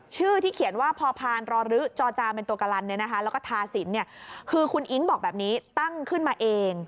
ชื่อที่เขียนว่าพอพานรอรึจอจาเป็นตัวกะลันแล้วก็ทาสินคือคุณอิ๊งบอกแบบนี้ตั้งขึ้นมาเอง